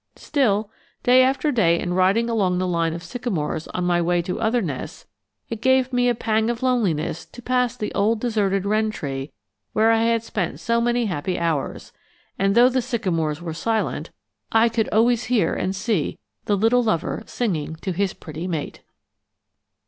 Still, day after day in riding along the line of sycamores on my way to other nests, it gave me a pang of loneliness to pass the old deserted wren tree where I had spent so many happy hours; and though the sycamores were silent, I could always hear and see the little lover singing to his pretty mate.